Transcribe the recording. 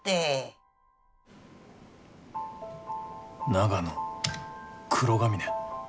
長野黒ヶ峰。